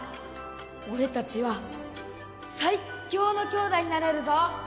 俺たちは最強の兄弟になれるぞ。